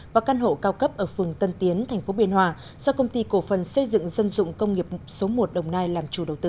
và căn hộ cao cấp ở phường tân tiến tp biên hòa do công ty cổ phần xây dựng dân dụng công nghiệp số một đồng nai làm chủ đầu tư